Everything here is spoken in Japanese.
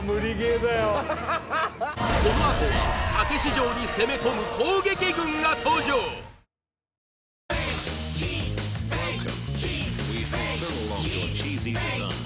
このあとはたけし城に攻め込む攻撃軍が登場ベイクド！